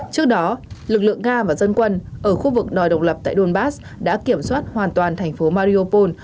trước đó lực lượng nga và dân quân ở khu vực đòi độc lập tại donbass đã kiểm soát hoàn toàn thành phố mariopol